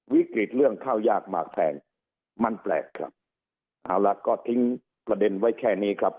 วิกฤตเรื่องข้าวยากมากแพงมันแปลกครับเอาล่ะก็ทิ้งประเด็นไว้แค่นี้ครับ